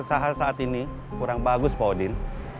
iklim kesahat saat ini kurang bagus pak odin